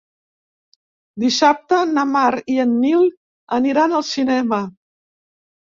Dissabte na Mar i en Nil aniran al cinema.